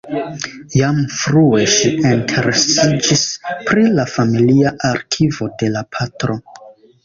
Jam frue ŝi interesiĝis pri la familia arkivo de la patro.